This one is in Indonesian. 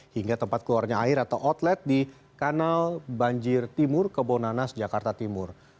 hingga tempat keluarnya air atau outlet di kanal banjir timur kebonanas jakarta timur